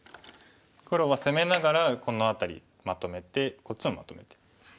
黒は攻めながらこの辺りまとめてこっちもまとめて。